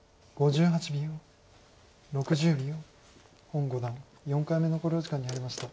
洪五段４回目の考慮時間に入りました。